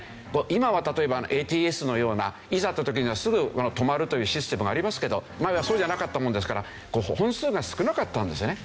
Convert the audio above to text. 今は例えばＡＴＳのようないざという時にはすぐ止まるというシステムがありますけど前はそうじゃなかったものですから本数が少なかったんですよね。